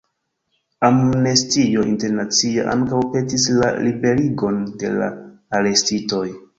Amnestio Internacia ankaŭ petis la liberigon de la arestitoj.